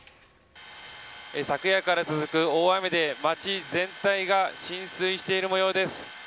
昨夜から続く大雨で街全体が浸水しているもようです。